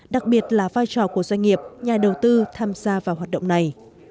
đặc biệt là vai trò của doanh nghiệp nhà đầu tư tham gia vào hoạt động này